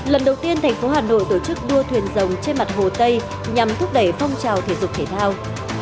lần đầu tiên thành phố hà nội tổ chức đua thuyền rồng trên mặt hồ tây nhằm thúc đẩy phong trào thể dục thể thao